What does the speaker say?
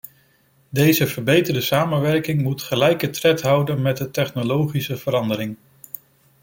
Deze verbeterde samenwerking moet gelijke tred houden met de technologische verandering.